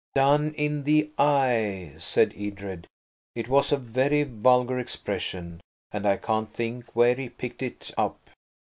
"Done in the eye!" said Edred. It was a very vulgar expression, and I can't think where he picked it up.